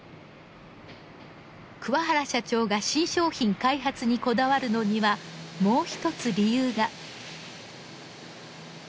桑原社長が新商品開発にこだわるのにはもう一つ理由が。